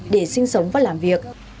để giải quyết những điều đáng đáng đáng